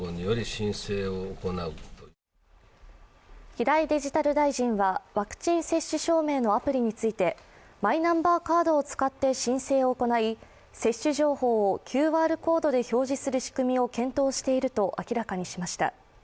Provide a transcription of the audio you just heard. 平井デジタル大臣はワクチン接種証明のアプリについてマイナンバーカードを使って申請を行い接種情報をＱＲコードで表示する仕組みを検討していると明らかにしました。